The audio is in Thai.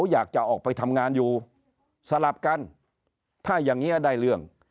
อยากจะออกไปทำงานอยู่สลับกันถ้าอย่างนี้ได้เรื่อง